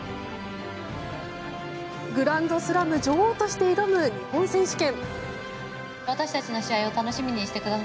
グランドスラム女王として挑む日本選手権。